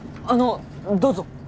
あのどうぞ。